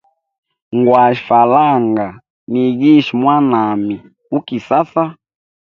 Ngwashe falanga, nigishe mwanami u kisasa.